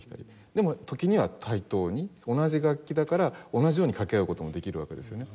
でも時には対等に同じ楽器だから同じように掛け合う事もできるわけですよね。